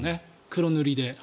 黒塗りで。